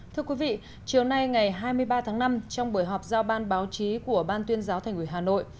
thưa quý vị chiều nay ngày hai mươi ba tháng năm trong buổi họp giao ban báo chí của ban tuyên giáo thành ủy hà nội